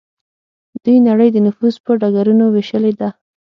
دوی نړۍ د نفوذ په ډګرونو ویشلې ده